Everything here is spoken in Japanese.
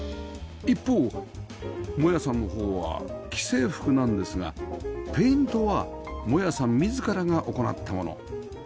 一方萌弥さんの方は既製服なんですがペイントは萌弥さん自らが行ったもの